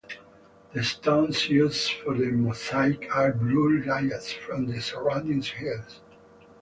The stones used for the mosaic are Blue Lias from the surrounding hills.